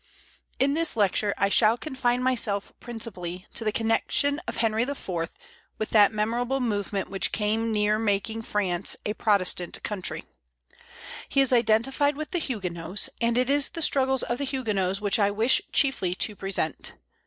In this lecture I shall confine myself principally to the connection of Henry IV. with that memorable movement which came near making France a Protestant country. He is identified with the Huguenots, and it is the struggles of the Huguenots which I wish chiefly to present.